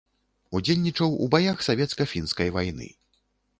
Удзельнічаў у баях савецка-фінскай вайны.